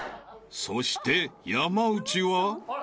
［そして山内は］